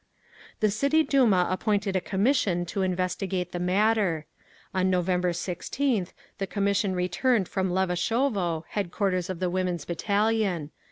The City Duma appointed a commission to investigate the matter. On November 16th the commission returned from Levashovo, headquarters of the Women's Battalion.